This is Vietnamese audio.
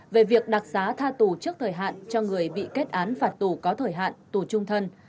về việc đặc xá tha tù trước thời hạn cho người bị kết án phạt tù có thời hạn tù trung thân